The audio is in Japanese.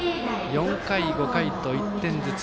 ４回、５回と１点ずつ。